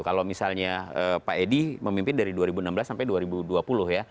kalau misalnya pak edi memimpin dari dua ribu enam belas sampai dua ribu dua puluh ya